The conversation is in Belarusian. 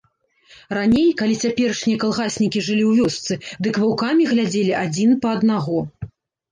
Раней, калі цяперашнія калгаснікі жылі ў вёсцы, дык ваўкамі глядзелі адзін па аднаго.